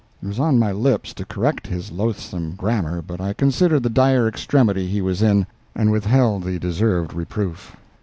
It was on my lips to correct his loathsome grammar, but I considered the dire extremity he was in, and withheld the deserved reproof.